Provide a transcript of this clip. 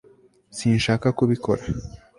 sinshaka kubikora